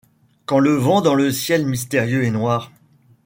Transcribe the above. Quand le vent, dans le ciel mystérieux et noir